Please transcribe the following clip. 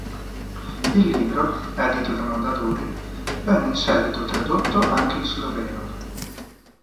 Il libro, edito da Mondadori, venne in seguito tradotto anche in Sloveno.